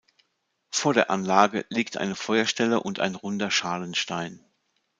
Vor der Anlage liegt eine Feuerstelle und ein runder Schalenstein.